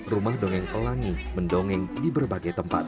rumah dongeng pelangi mendongeng di berbagai tempat